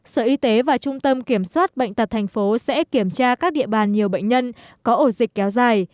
sở y tế và trung tâm kiểm soát bệnh tật tp sẽ kiểm tra các địa bàn nhiều bệnh nhân có ổ dịch kéo dài